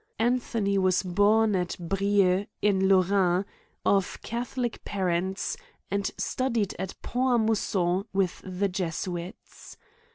Anthony was born at Brieu in Lorraine, of Ca tholic parents, and studied at Pont a Mousson with the Jesuits.